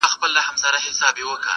خدای دي درکړۍ عوضونه مومنانو؛